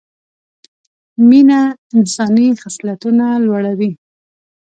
مینه انساني خصلتونه لوړه وي